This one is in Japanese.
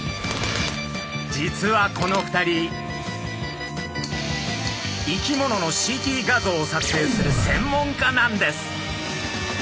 実はこの２人生き物のＣＴ画像を撮影する専門家なんです。